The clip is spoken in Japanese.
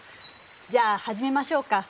じゃあはじめましょうか。